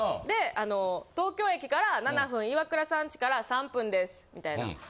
で、東京駅から７分、イワクラさんちから３分ですみたいな。